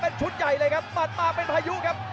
มาหมดยอกซักก่อนครับ